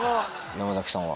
山さんは？